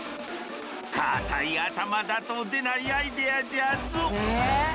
固い頭だと出ないアイデアじゃぞ。